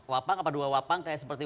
wapang atau dua wapang kayak seperti